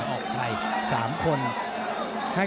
หรือว่าผู้สุดท้ายมีสิงคลอยวิทยาหมูสะพานใหม่